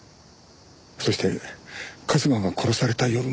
そして春日が殺された夜も。